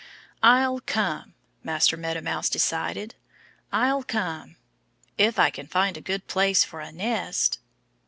"I'll come!" Master Meadow Mouse decided. "I'll come if I can find a good place for a nest."